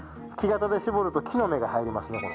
木型で絞ると木の目が入ります。